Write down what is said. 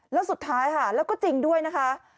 แล้วสุดท้ายค่ะแล้วก็จริงด้วยนะคะ